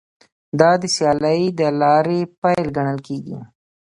دا د سیالۍ د لارې پیل ګڼل کیږي